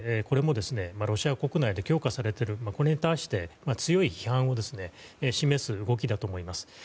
これもロシア国内で強化されているこれに対して強い批判を示す動きだと思います。